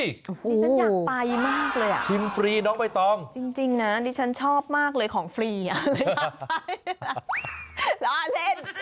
ดิฉันอยากไปมากเลยอ่ะจริงนะดิฉันชอบมากเลยของฟรีอ่ะร้อนเล่น